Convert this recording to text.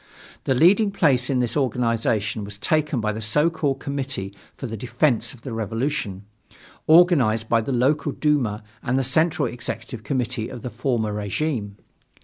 The leading place in this organization was taken by the so called Committee for the Defence of the Revolution, organized by the local Duma and the Central Executive Committee of the former regime.